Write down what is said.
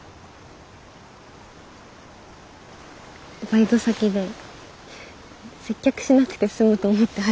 バイト先で接客しなくて済むと思って始めたんです。